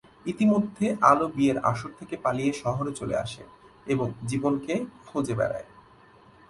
ইতিমধ্যে আলো বিয়ের আসর থেকে পালিয়ে শহরে চলে আসে এবং জীবনকে খুঁজে বেড়ায়।